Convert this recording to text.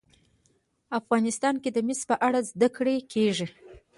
افغانستان کې د مس په اړه زده کړه کېږي.